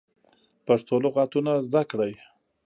پښتو لغاتونه زده کړی